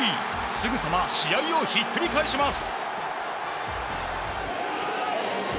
すぐさま試合をひっくり返します。